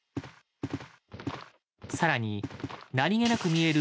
更に何気なく見える